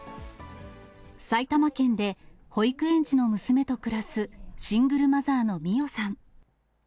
埼玉県で保育園児の娘と暮らすシングルマザーのみおさん。